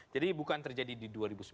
jadi bukan terjadi di dua ribu sembilan belas